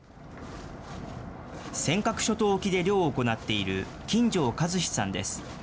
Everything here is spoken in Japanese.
尖閣諸島沖で漁を行っている、金城和司さんです。